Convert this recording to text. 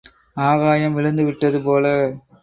ஆகாயம் விழுந்து விட்டது போல.